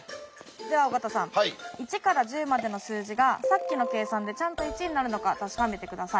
じゃあ尾形さん１から１０までの数字がさっきの計算でちゃんと１になるのか確かめて下さい。